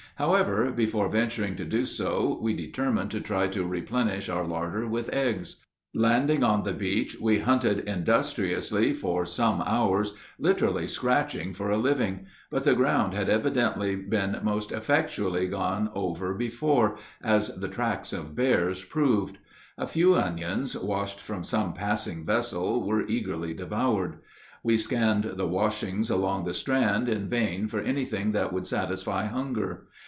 However, before venturing to do so, we determined to try to replenish our larder with eggs. Landing on the beach, we hunted industriously for some hours, literally scratching for a living; but the ground had evidently been most effectually gone over before, as the tracks of bears proved. A few onions, washed from some passing vessel, were eagerly devoured. We scanned the washings along the strand in vain for anything that would satisfy hunger.